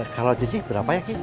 kalau cici berapa ya cici